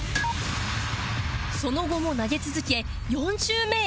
その後も投げ続け４周目へ